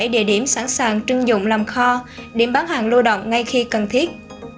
chín trăm hai mươi bảy địa điểm sẵn sàng trưng dụng làm kho điểm bán hàng lưu động ngay khi cần thiết